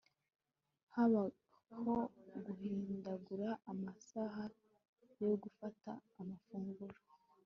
habaho guhindagura amasaha yo gufata amafunguro